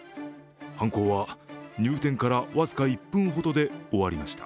犯行は入店から僅か１分ほどで終わりました。